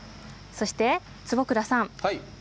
そして坪倉さん